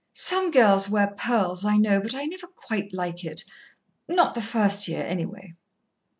"Some girls wear pearls, I know, but I never quite like it not the first year, anyway."